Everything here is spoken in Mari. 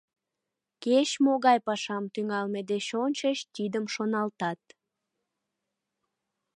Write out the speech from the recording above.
Кеч-могай пашам тӱҥалме деч ончыч тидым шоналтат.